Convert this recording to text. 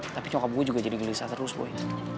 tapi nyokap gue juga jadi gelisah terus boy